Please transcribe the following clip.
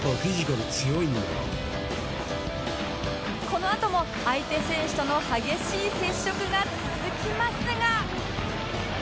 このあとも相手選手との激しい接触が続きますが